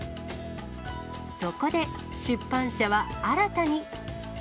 そこで、出版社は新たに。